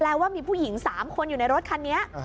แล้วว่ามีผู้หญิง๓คนอยู่ในรถคันนี้